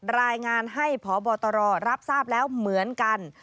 รายงานให้พบตรรับทราบแล้วเหมือนกัน